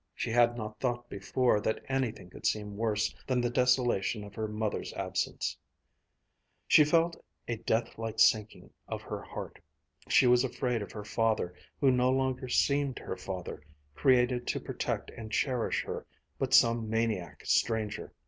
She had not thought before that anything could seem worse than the desolation of her mother's absence. She felt a deathlike sinking of her heart. She was afraid of her father, who no longer seemed her father, created to protect and cherish her, but some maniac stranger.